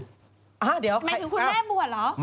อ้าวเดี๋ยวอ้าวไม่คือคุณแม่บวชเหรอ